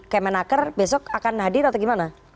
kemenaker besok akan hadir atau gimana